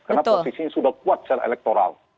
karena posisi sudah kuat secara electoral